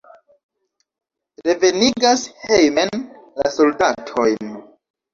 Revenigas hejmen la soldatojn!